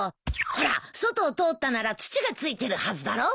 ほら外を通ったなら土が付いてるはずだろ？